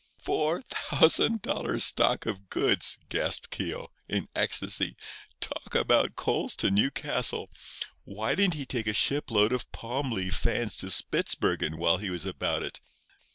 "Four thousand dollar stock of goods!" gasped Keogh, in ecstasy. "Talk about coals to Newcastle! Why didn't he take a ship load of palm leaf fans to Spitzbergen while he was about it?